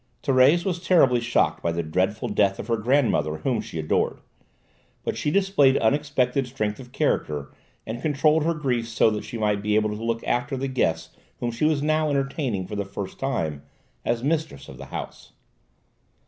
Thérèse was terribly shocked by the dreadful death of her grandmother whom she adored, but she displayed unexpected strength of character and controlled her grief so that she might be able to look after the guests whom she was now entertaining for the first time as mistress of the house.